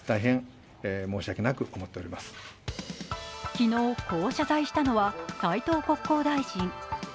昨日、こう謝罪したのは斉藤国交大臣。